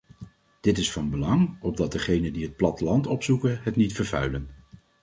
Dit is van belang, opdat de degenen die het platteland opzoeken het niet vervuilen.